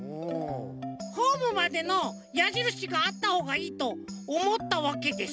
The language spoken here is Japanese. ホームまでのやじるしがあったほうがいいとおもったわけです。